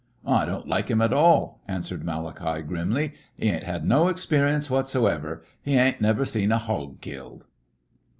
"I don't like him at all," answered Malachi, grimly. "He ain't had no experience whatso ever. He ain't never seen a hog killed